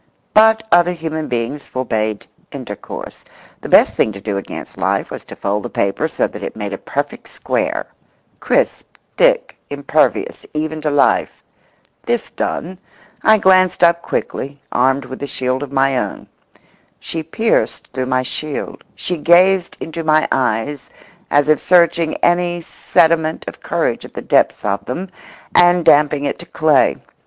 But other human beings forbade intercourse. The best thing to do against life was to fold the paper so that it made a perfect square, crisp, thick, impervious even to life. This done, I glanced up quickly, armed with a shield of my own. She pierced through my shield; she gazed into my eyes as if searching any sediment of courage at the depths of them and damping it to clay.